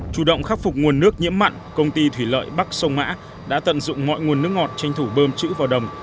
chủ động khắc phục nguồn nước nhiễm mặn công ty thủy lợi bắc sông mã đã tận dụng mọi nguồn nước ngọt tranh thủ bơm chữ vào đồng